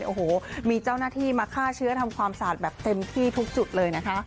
โอ้โหมีเจ้าหน้าที่มาฆ่าเชื้อทำความสะอาดแบบเต็มที่ทุกจุดเลยนะคะ